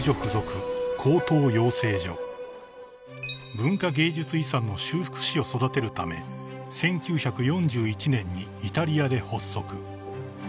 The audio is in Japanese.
［文化芸術遺産の修復師を育てるため１９４１年にイタリアで発足］